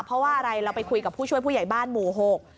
เพราะว่าอะไรเราไปคุยกับผู้ช่วยผู้ใหญ่บ้านหมู่หก